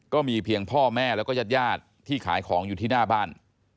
ก็มีเพียงพ่อแม่แล้วก็ญาติญาติที่ขายของอยู่ที่หน้าบ้าน